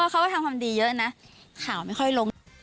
เขาก็ทำความดีเยอะนะข่าวไม่ค่อยลง